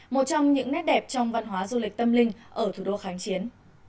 một trong những nét đẹp trong văn hóa du lịch tâm linh ở thủ đô kháng chiến